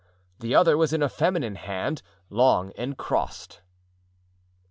The other was in a feminine hand, long, and crossed.